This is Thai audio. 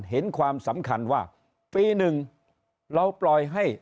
เห็นความสำคัญว่าปีหนึ่งเราปล่อยให้